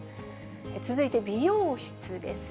続いて美容室です。